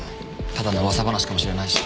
ただの噂話かもしれないし。